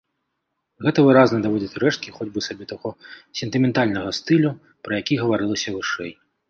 Гэта выразна даводзяць рэшткі хоць бы сабе таго сентыментальнага стылю, пра які гаварылася вышэй.